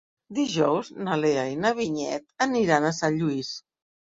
Dijous na Lea i na Vinyet aniran a Sant Lluís.